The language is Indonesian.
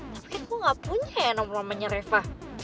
tapi kan gue gak punya ya nomen nomennya reva